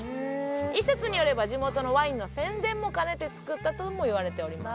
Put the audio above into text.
一説によれば地元のワインの宣伝も兼ねて作ったともいわれております。